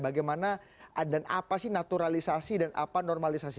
bagaimana dan apa sih naturalisasi dan apa normalisasi